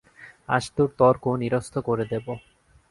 আজ তোর তর্ক নিরস্ত করে দেব।